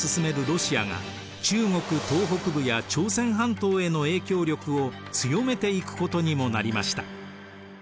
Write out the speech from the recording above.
ロシアが中国東北部や朝鮮半島への影響力を強めていくことにもなりました。